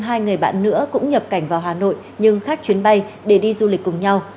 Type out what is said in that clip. hai người bạn nữa cũng nhập cảnh vào hà nội nhưng khác chuyến bay để đi du lịch cùng nhau